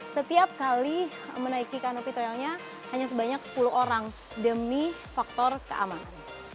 setiap kali menaiki kanopitoilnya hanya sebanyak sepuluh orang demi faktor keamanan